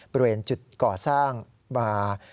บริเวณจุดก่อสร้างบาร์